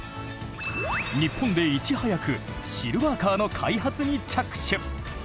日本でいち早くシルバーカーの開発に着手。